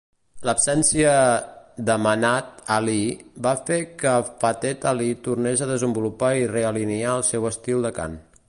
L'absència d'Amanat Ali va fer que Fateh Ali tornés a desenvolupar i realinear el seu estil de cant.